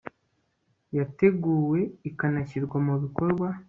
yateguwe ikanashyirwa mu bikorwa